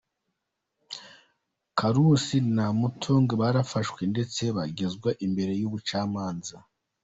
Kalushi na Motaung barafashwe ndetse bagezwa imbere y’ubucamanza.